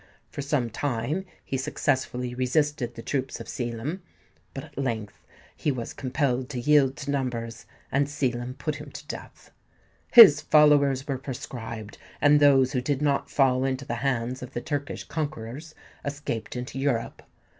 For some time he successfully resisted the troops of Selim; but at length he was compelled to yield to numbers; and Selim put him to death. His followers were proscribed; and those who did not fall into the hands of the Turkish conquerors escaped into Europe.